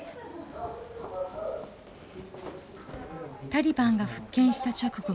タリバンが復権した直後